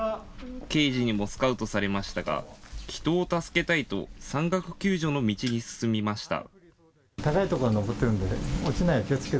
刑事にもスカウトされましたが人を助けたいと山岳救助の道に進みました。